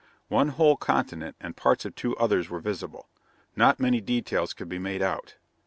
One whole continent and parts of two others were visible. Not many details could be made out.